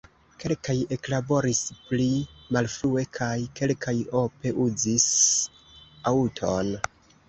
Kelkaj eklaboris pli malfrue kaj kelkaj ope uzis aŭton.